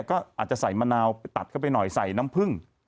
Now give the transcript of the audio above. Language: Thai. ก็อาจจะใส่มะนาวไปตัดเข้าไปหน่อยใส่น้ำผึ้ง